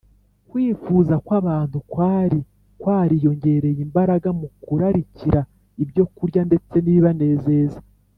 kwifuza kw’abantu kwari kwariyongereye imbaraga mu kurarikira ibyokurya ndetse n’ibibanezeza